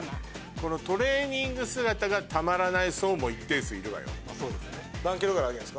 このトレーニング姿がたまらない層も一定数いるわよ。